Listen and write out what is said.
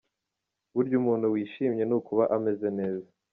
Burya umuntu wishimye ni uku aba ameze.